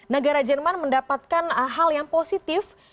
negara jerman mendapatkan hal yang positif